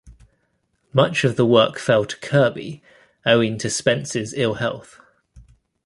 Much of the work fell to Kirby owing to Spence's ill health.